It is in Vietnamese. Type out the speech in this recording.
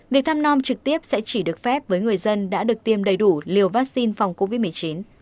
việc thăm non trực tiếp sẽ chỉ được phép với người dân đã được tiêm đầy đủ liều vaccine phòng covid một mươi chín